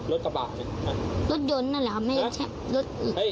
รถกระบาดน่ะอ่ะรถยนต์นั่นแหละครับไม่ใช่รถเอ้ย